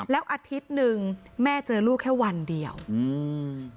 แล้วอาทิตย์หนึ่งแม่เจอลูกแค่วันเดียวอืม